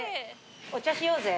お茶しようぜ。